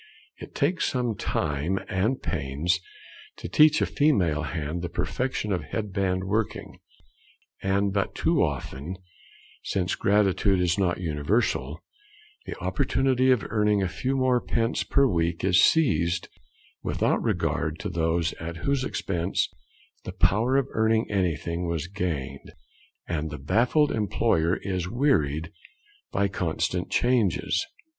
It takes some time and pains to teach a female hand the perfection of head band working, and but too often, since gratitude is not universal, the opportunity of earning a few more pence per week is seized without regard to those at whose expense the power of earning anything was gained, and the baffled employer is wearied by constant changes.